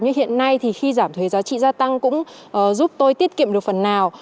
như hiện nay thì khi giảm thuế giá trị gia tăng cũng giúp tôi tiết kiệm được phần nào